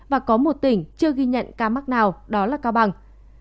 và có một tỉnh chưa ghi nhận ca mắc nào đó là cao bằng